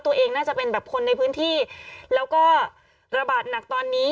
น่าจะเป็นแบบคนในพื้นที่แล้วก็ระบาดหนักตอนนี้